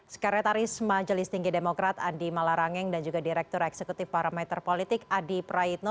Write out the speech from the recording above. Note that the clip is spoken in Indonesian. sekretaris majelis tinggi demokrat andi malarangeng dan juga direktur eksekutif parameter politik adi praitno